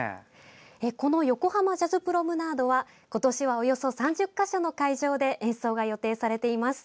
この横濱ジャズプロムナードは今年はおよそ３０か所の会場で演奏が予定されています。